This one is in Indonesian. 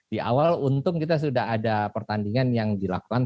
di awal untung kita sudah ada pertandingan yang dilakukan